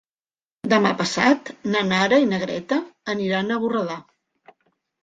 Demà passat na Nara i na Greta aniran a Borredà.